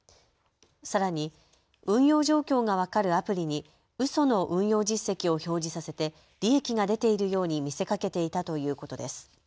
さらに運用状況が分かるアプリにうその運用実績を表示させて利益が出ているように見せかけていたということです。